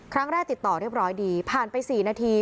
ครั้งแรกติดต่อเรียบร้อยดีผ่านไปสี่นาที